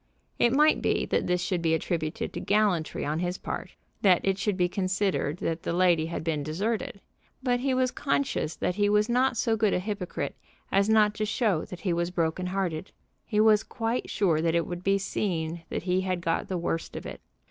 It might be that this should be attributed to gallantry on his part, that it should be considered that the lady had been deserted. But he was conscious that he was not so good a hypocrite as not to show that he was broken hearted. He was quite sure that it would be seen that he had got the worst of it.